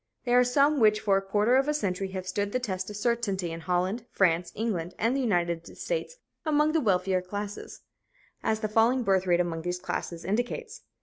There are some which for a quarter of a century have stood the test of certainty in Holland, France, England and the United States among the wealthier classes, as the falling birth rate among these classes indicates.